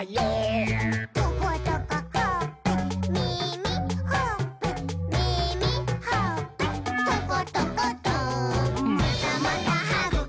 「トコトコほっぺみみほっぺ」「みみほっぺ」「トコトコト」「またまたはぐき！はぐき！はぐき！